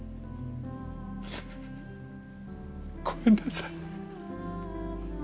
ごめんなさい。